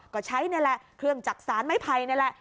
ก็ใช้นี่แหละเครื่องจักษานไม้ไผ่นี่แหละ